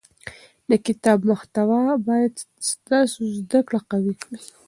د کتاب محتوا باید ستاسو زده کړه قوي کړي.